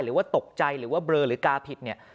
หรือว่าตกใจหรือว่าเบลอหรือกาผิดเนี่ย